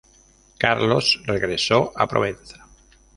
Carlos regresó a Provenza.